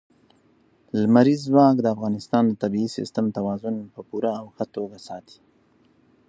لمریز ځواک د افغانستان د طبعي سیسټم توازن په پوره او ښه توګه ساتي.